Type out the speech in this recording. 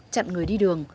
chặn người đi đường